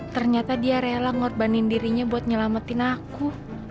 ternyata dia rela ngorbanin dirinya buat nyelamatin aku